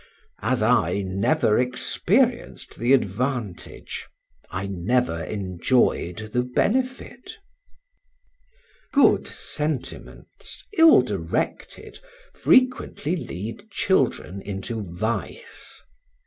As I never experienced the advantage, I never enjoyed the benefit. Good sentiments, ill directed, frequently lead children into vice.